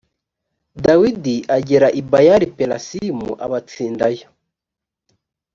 dawidi agera i bayali perasimu abatsindayo